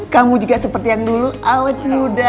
kamu juga seperti yang dulu awet muda